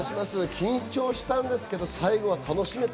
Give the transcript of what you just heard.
緊張したんですけど、最後は楽しめた。